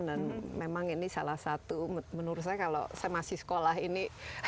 dan memang ini salah satu menurut saya kalau saya masih sekolah ini